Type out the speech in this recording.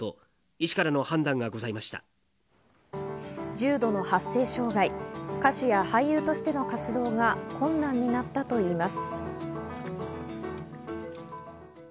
重度の発声障害、歌手や俳優としての活動が困難になったといいます。